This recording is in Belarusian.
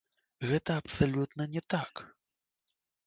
Гэта абсалютна не так!